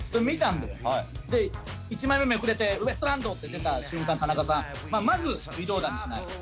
で１枚目めくれて「ウエストランド」って出た瞬間田中さんまず微動だにしない。